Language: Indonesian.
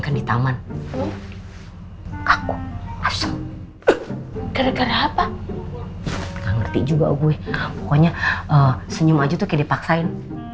kan di taman aku gara gara apa enggak ngerti juga gue pokoknya senyum aja tuh kayak dipaksain